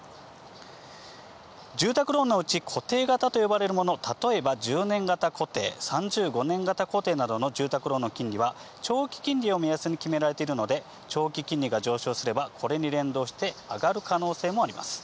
住宅ローンのうち固定型と呼ばれるもの、例えば１０年型固定、３５年型固定などの住宅ローンの金利は、長期金利を目安に決められているので、長期金利が上昇すれば、これに連動して上がる可能性もあります。